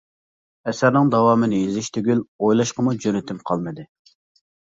ئەسەرنىڭ داۋامىنى يېزىش تۈگۈل، ئويلاشقىمۇ جۈرئىتىم قالمىدى.